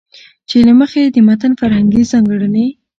چې له مخې يې د متن فرهنګي ځانګړنې